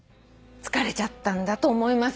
疲れちゃったんだと思います。